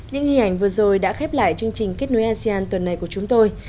những hình ảnh vừa rồi đã khép lại chương trình kết nối asean tuần này của chúng tôi